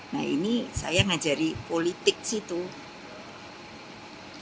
nah ini saya mengajari politik sih tuh